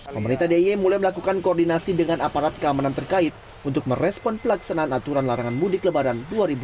pemerintah d i e mulai melakukan koordinasi dengan aparat keamanan terkait untuk merespon pelaksanaan aturan larangan mudik lebaran dua ribu dua puluh